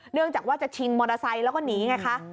เนื่องจากว่าจะชิงมอเตอร์ไซค์แล้วก็หนีไงคะ